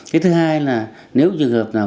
cái thứ hai là nếu trường hợp nào